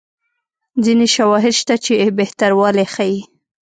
ځیني شواهد شته چې بهتروالی ښيي.